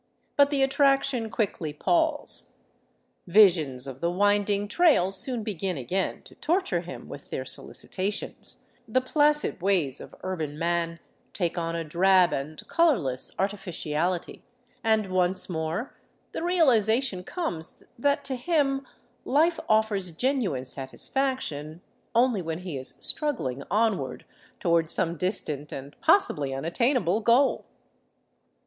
But the attraction quickly palls. Visions of the winding trail soon begin again to torture him with their solicitations, the placi*d ways of urban man take on a drab and colorless artificiality, and once more the realization comes that to him life offers genuine satisfaction only when he is struggling on ward toward some distant and possibly unattainable goal.